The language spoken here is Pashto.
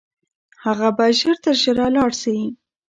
هغه به ژر تر ژره لاړ سي.